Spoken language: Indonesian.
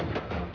ini enggak bisa